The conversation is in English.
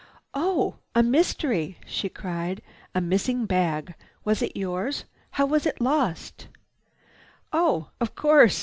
"Oh, a mystery!" she cried. "A missing bag. Was it yours? And how was it lost?" "Oh! Of course!"